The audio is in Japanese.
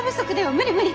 無理無理！